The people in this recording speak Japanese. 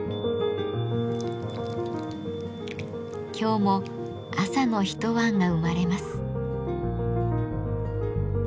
今日も朝のひと椀が生まれます。